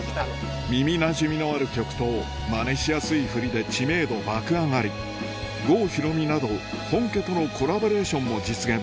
耳なじみのある曲とマネしやすい振りで知名度爆上がり郷ひろみなど本家とのコラボレーションも実現